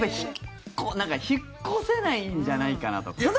なんか引っ越せないんじゃないかなとか。